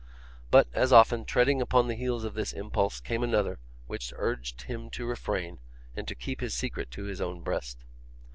But as often, treading upon the heels of this impulse, came another which urged him to refrain, and to keep his secret to his own breast.